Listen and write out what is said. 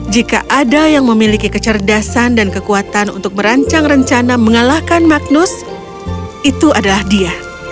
jika ada yang memiliki kecerdasan dan kekuatan untuk merancang rencana mengalahkan magnus itu adalah dia